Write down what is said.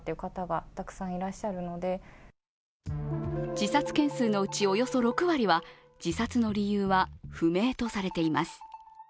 自殺件数のうち、およそ６割は自殺の理由は不明とされています。